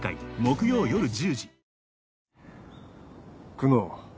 久能。